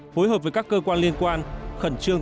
phối hợp với các cơ quan liên quan